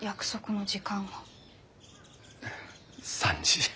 ３時。